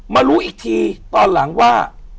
มารู้อีกทีตอนหลังว่า